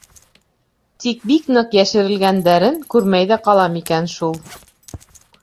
Тик бик ныҡ йәшерелгәндәрен күрмәй ҙә ҡалам икән шул.